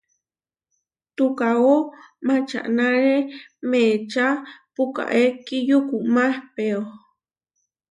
Tukaó mačanáre meečá pukaé kiyukumá ehpéo.